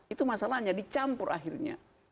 itu masalahnya dicampur akhirnya